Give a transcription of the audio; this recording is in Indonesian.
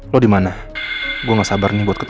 tapi ya semoga rencananya rennie itu berhasil